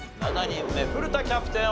７人目古田キャプテン